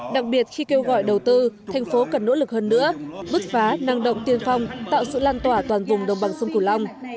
đặc biệt khi kêu gọi đầu tư thành phố cần nỗ lực hơn nữa bứt phá năng động tiên phong tạo sự lan tỏa toàn vùng đồng bằng sông cửu long